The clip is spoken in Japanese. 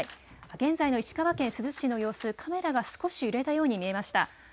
現在の石川県珠洲市の様子、カメラが少し揺れたように見えました。